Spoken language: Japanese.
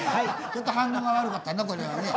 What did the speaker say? ちょっと反応が悪かったなこれはね。